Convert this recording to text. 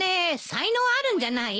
才能あるんじゃない？